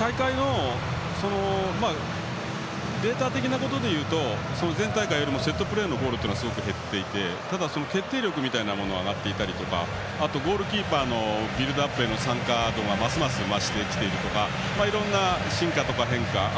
大会のデータ的なことだと前大会よりセットプレーのゴールが減っていてただ、決定力みたいなものが上がっていたりとかあとはゴールキーパーのビルドアップへの参加度がますます増してきたとかいろんな進化や変化。